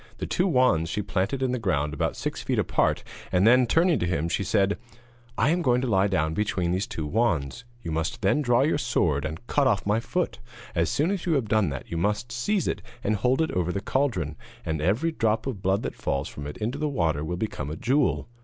The two wands she planted in the ground about six feet apart, and then, turning to him, she said: 'I am going to lie down between these two wands. You must then draw your sword and cut off my foot, and, as soon as you have done that, you must seize it and hold it over the cauldron, and every drop of blood that falls from it into the water will become a jewel.